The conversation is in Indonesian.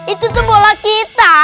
itu tuh bola kita